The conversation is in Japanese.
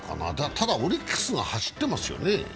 ただオリックスが走ってますよね。